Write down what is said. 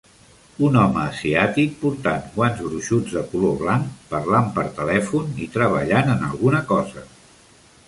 Un home asiàtic portant guants gruixuts de color blanc, parlant per telèfon, i treballant en alguna cosa.